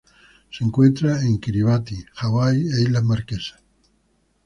Se encuentra en Kiribati, Hawaii e Islas Marquesas.